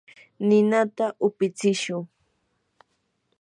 ninata upitsichu.